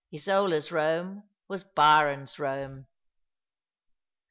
Isola's Rome was Byron's Eome.